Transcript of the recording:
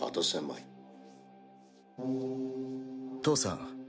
義父さん